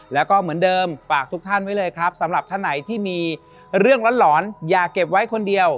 แล้วก็เหมือนเดิมฝากทุกท่านไว้เลยครับสำหรับท่านไหนที่มีเรื่องร้อนอย่าเก็บไว้คนเดียว